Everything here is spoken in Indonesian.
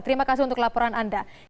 terima kasih untuk laporan anda